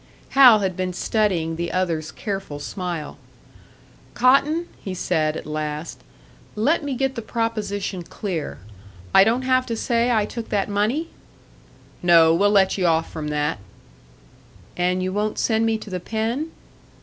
Hal had been studying the other's careful smile. "Cotton," he said, at last, "let me get the proposition clear. I don't have to say I took that money?" "No, we'll let you off from that." "And you won't send me to the pen?"